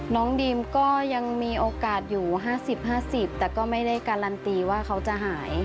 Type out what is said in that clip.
น้องดีมก็ยังมีโอกาสอยู่๕๐๕๐แต่ก็ไม่ได้การันตีว่าเขาจะหาย